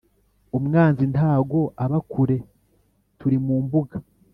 Umwanzi ntago aba kure turi mumbuga